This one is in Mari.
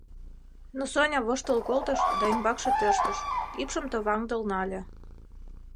Но Соня воштыл колтыш да ӱмбакше тӧрштыш, ӱпшым товаҥдыл нале.